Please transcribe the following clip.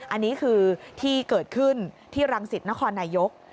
อันนี้คือที่เกิดขึ้นที่รังสิตนครนายก